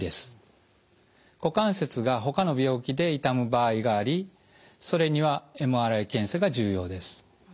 股関節がほかの病気で痛む場合がありそれにはＭＲＩ検査が重要です。